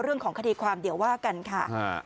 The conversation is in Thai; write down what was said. เรื่องของคดีความเดี๋ยวว่ากันค่ะ